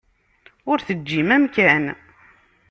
Ur teǧǧim amkan.